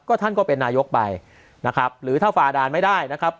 ท่านก็เป็นนายกไปนะครับหรือถ้าฝ่าด่านไม่ได้นะครับ